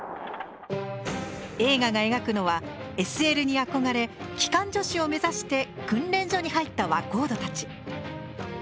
映画が描くのはＳＬに憧れ機関助士を目指して訓練所に入った若人たち。